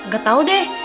gak tau deh